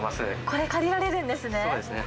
これを借りられるんですね。